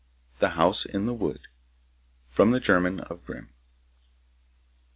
The House in the Wood From the German of Grimm.